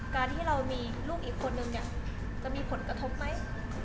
การที่เรามีลูกอีกคนนึงเนี่ยจะมีผลกระทบไหม